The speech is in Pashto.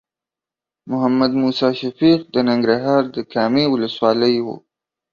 محمد موسی شفیق د ننګرهار د کامې ولسوالۍ و.